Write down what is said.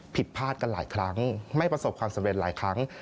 ผิดพลาดกันหลายครั้งไม่ประสบความสำเร็จหลายครั้ง